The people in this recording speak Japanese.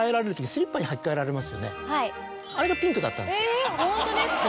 えぇホントですか？